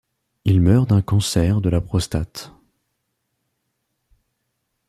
Il meurt d'un cancer de la prostate.